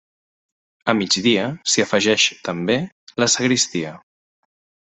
A migdia s'hi afegeix, també, la sagristia.